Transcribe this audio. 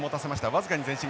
僅かに前進。